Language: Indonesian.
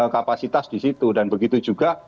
kapasitas di situ dan begitu juga